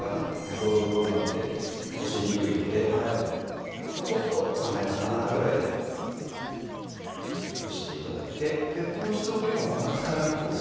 ドロドロになってこしにくいのではいちょっと冷めたかなぐらいでこして頂いてこうしておけばまた使えるってことですか？